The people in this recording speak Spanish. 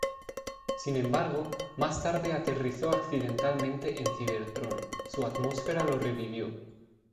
Sin embargo, más tarde aterrizó accidentalmente en Cybertron, su atmósfera lo revivió.